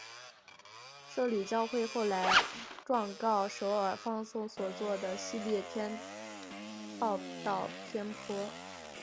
摄理教会后来状告首尔放送所做的系列报导偏颇。